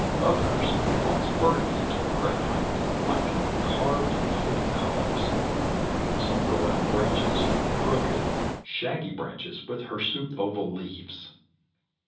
Others rise vertically to a great height, like carved and fluted columns. Some throw out branches, crooked, shaggy branches, with hirsute oval leaves.